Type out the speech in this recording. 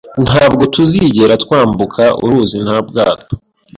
Ntabwo tuzigera twambuka uruzi nta bwato.